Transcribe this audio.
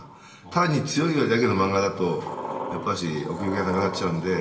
単に強いだけの漫画だとやっぱし奥行きがなくなっちゃうんで。